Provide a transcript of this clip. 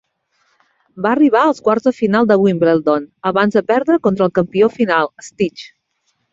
Va arribar als quarts de final de Wimbledon abans de perdre contra el campió final Stich.